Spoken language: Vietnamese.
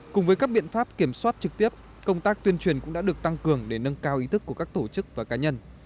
cùng với các biện pháp kiểm soát trực tiếp công tác tuyên truyền cũng đã được tăng cường để nâng cao ý thức của các tổ chức và cá nhân